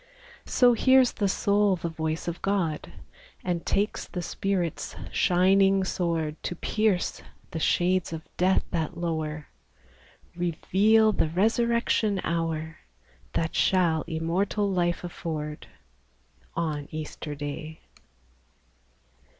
So hears the soul the voice of God, And takes the Spirit's shining sword To pierce the shades of death that lower, — Reveal the resurrection hour, That shall immortal life afford, On Easter Day.